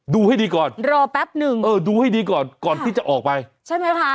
ดูให้ดีก่อนดูให้ดีก่อนก่อนที่จะออกไปใช่ไหมคะ